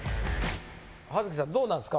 葉月さんどうなんですか？